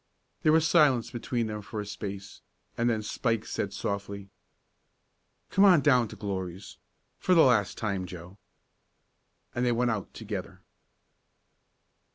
There was silence between them for a space, and then Spike said softly: "Come on down to Glory's for the last time. Joe." And they went out together.